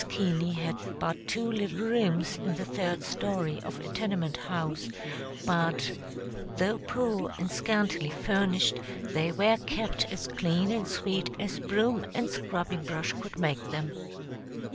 Keaney had but two little rooms in the third story of a tenement house, but though poor and scantily furnished, they were kept as clean and sweet as broom and scrubbing brush could make them.